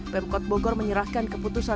pemkot bogor menyerahkan keputusan